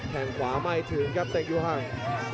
แข่งขวาไม่ถึงครับแต่งอยู่ห้าง